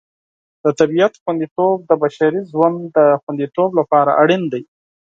د طبیعت خوندیتوب د بشري ژوند د خوندیتوب لپاره اړین دی.